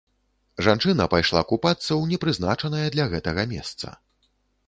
Жанчына пайшла купацца ў непрызначанае для гэтага месца.